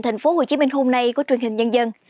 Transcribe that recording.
tp hcm hôm nay của truyền hình nhân dân